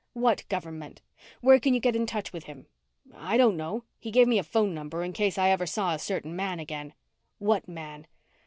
"What government? Where can you get in touch with him?" "I don't know. He gave me a phone number in case I ever saw a certain man again." "What man?"